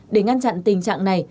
để ngăn chặn tình trạng này